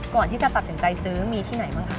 ก่อนที่จะตัดสินใจซื้อมีที่ไหนบ้างคะ